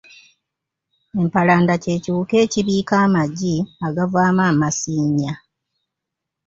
Empalanda kye kiwuka ekibiika amagi agavaamu amasiinya.